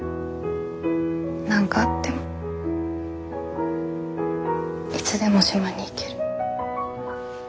何かあってもいつでも島に行ける。